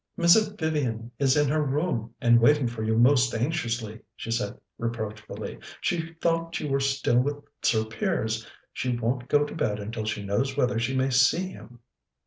"Miss Vivian is in her room, and waiting for you most anxiously," she said reproachfully. "She thought you were still with Sir Piers. She won't go to bed until she knows whether she may see him."